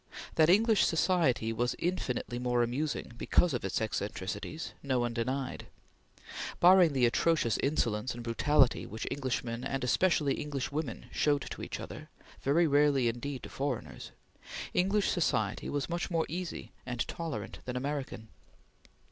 That English society was infinitely more amusing because of its eccentricities, no one denied. Barring the atrocious insolence and brutality which Englishmen and especially Englishwomen showed to each other very rarely, indeed, to foreigners English society was much more easy and tolerant than American.